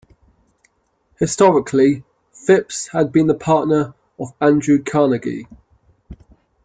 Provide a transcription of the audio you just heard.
Historically, Phipps had been a partner of Andrew Carnegie.